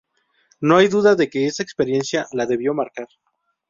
No hay duda de que esa experiencia la debió marcar.